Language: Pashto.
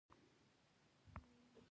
هغه د خپل پایتخت پر لور روان شو.